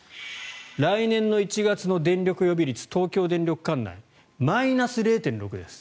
来年１月の電力予備率東京電力管内マイナス０．６です。